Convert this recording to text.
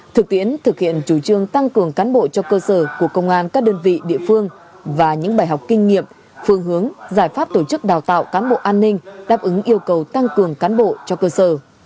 thực tiễn thực hiện chủ trương tăng cường cán bộ cho cơ sở của công an các đơn vị địa phương và những bài học kinh nghiệm phương hướng giải pháp tổ chức đào tạo cán bộ an ninh đáp ứng yêu cầu tăng cường cán bộ cho cơ sở